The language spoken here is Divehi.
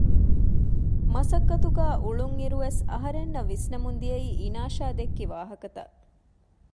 މަސައްކަތުގައި އުޅުންއިރުވެސް އަހަރެންނަށް ވިސްނެމުން ދިޔައީ އިނާޝާ ދެއްކި ވާހަކަތައް